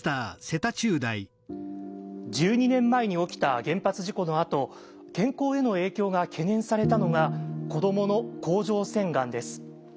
１２年前に起きた原発事故のあと健康への影響が懸念されたのが子どもの甲状腺がんです。